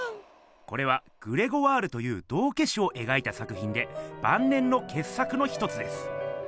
これは「グレゴワール」という道けしをえがいた作品でばん年のけっ作の一つです。